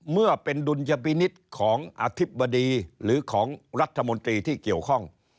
เมื่อเป็นดุลยพินิษฐ์ของอธิบดีหรือของรัฐมนตรีที่เกี่ยวข้อง